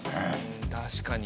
確かに。